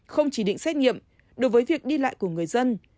không chỉ định xét nghiệm đối với việc đi lại của người dân